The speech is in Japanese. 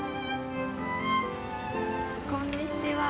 こんにちは。